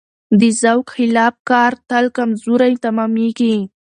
د ذوق خلاف کار تل کمزوری تمامېږي.